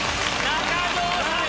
中条さん。